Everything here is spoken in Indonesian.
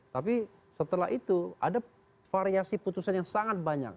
tapi setelah itu ada variasi putusan yang sangat banyak